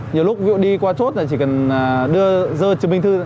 nhiều lúc đi qua chốt là chỉ cần đưa chứng minh thư